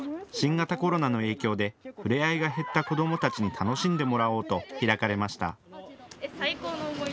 新型コロナの影響で触れ合いが減った子どもたちに楽しんでもらおうと開かれました。